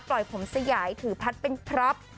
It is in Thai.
ปล่อยผมสยายถือพัดเป็นครับ